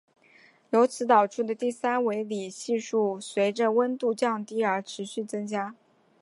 由此导出的第三维里系数随着温度降低而持续增加。